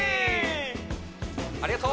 ありがとう！